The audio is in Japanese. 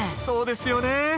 そうですよね。